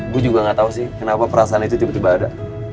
gue juga gak tau sih kenapa perasaan itu tiba tiba ada